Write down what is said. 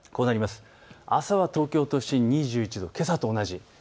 朝は東京都心２１度、けさと同じ。